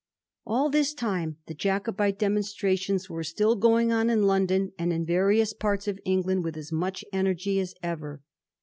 All this time the Jacobite demonstrations were still going on in London and in various parts of England with as much energy as ever.